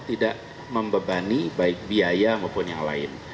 tidak membebani baik biaya maupun yang lain